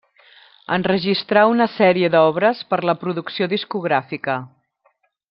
Enregistrà una sèrie d'obres per la producció discogràfica.